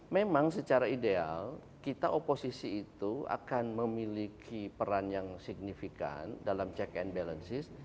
memang secara ideal kita oposisi itu akan memiliki peran yang signifikan dalam check and balances